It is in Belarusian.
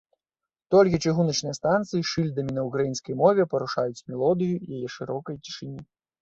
Толькі чыгуначныя станцыі з шыльдамі на ўкраінскай мове парушаюць мелодыю яе шырокай цішыні.